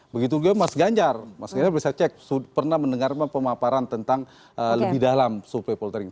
begitu juga mas ganjar mas ganjar bisa cek pernah mendengar pemaparan tentang lebih dalam survei poltering